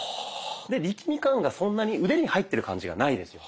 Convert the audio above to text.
で力み感がそんなに腕に入ってる感じがないですよね。